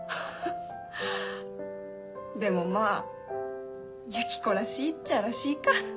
でもまぁユキコらしいっちゃらしいか。